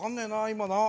今な。